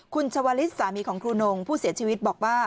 คุณชวลิศสามีของครูนงผู้เสียชีวิตบอกว่า